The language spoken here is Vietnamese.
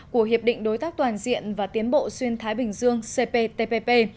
của hiệp định đối tác toàn diện và tiến bộ xuyên thái bình dương cptpp